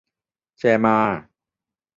แชร์มา